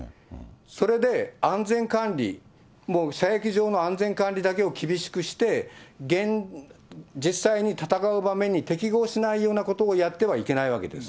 それで安全管理、射撃場の安全管理だけを厳しくして、実際に戦う場面に適合しないようなことをやってはいけないわけです。